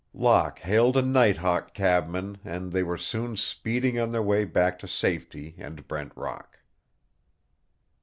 Locke hailed a night hawk cabman and they were soon speeding on their way back to safety and Brent Rock.